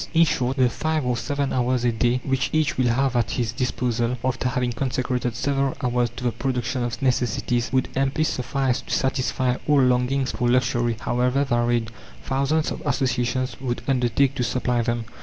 In short, the five or seven hours a day which each will have at his disposal, after having consecrated several hours to the production of necessities, would amply suffice to satisfy all longings for luxury, however varied. Thousands of associations would undertake to supply them.